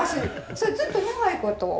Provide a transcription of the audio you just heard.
それずっと長いこと。